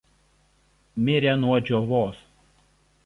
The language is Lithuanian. Mirė nuo džiovos.